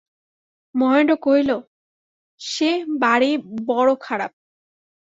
মহেন্দ্র কহিল, সে বাড়ি বড়ো খারাপ।